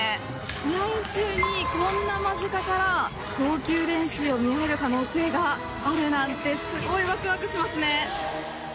試合中にこんな間近から投球練習が見られる可能性があるなんてすごくわくわくしますね。